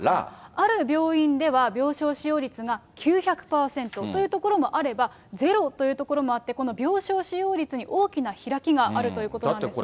ある病院では、病床使用率が９００％というところもあれば、ゼロというところもあって、この病床使用率に大きな開きがあるということなんですね。